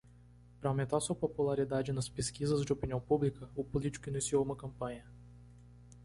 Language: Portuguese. Para aumentar sua popularidade nas pesquisas de opinião pública?, o político iniciou uma campanha.